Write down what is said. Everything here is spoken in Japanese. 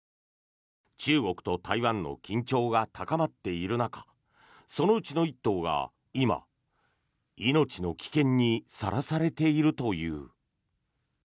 中国と台湾の緊張が高まっている中そのうちの１頭が今、命の危険にさらされているという。